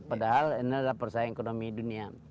padahal ini adalah persaingan ekonomi dunia